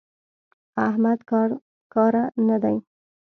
احمد کاره نه دی.